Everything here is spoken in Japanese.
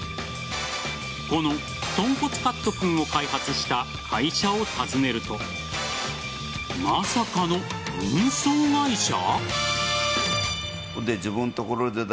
このとんこつカット君を開発した会社を訪ねるとまさかの運送会社？